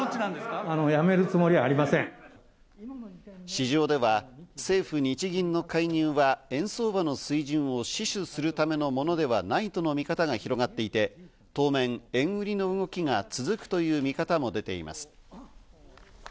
市場では政府・日銀の介入は円相場の水準を死守するためのものではないとの見方が広がっていて、当面、円売りの動きが続くという見方も出ています。